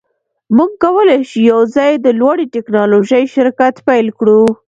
موږ کولی شو یوځای د لوړې ټیکنالوژۍ شرکت پیل کړو